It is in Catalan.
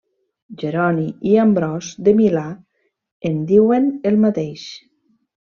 Jeroni i Ambròs de Milà en diuen el mateix.